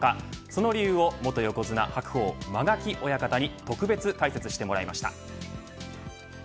その理由を元横綱白鵬、間垣親方に特別解説してもらいました。